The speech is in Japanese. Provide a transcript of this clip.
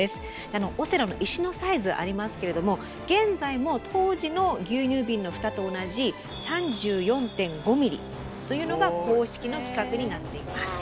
あのオセロの石のサイズありますけれども現在も当時の牛乳瓶のフタと同じ３４．５ｍｍというのが公式の規格になっています。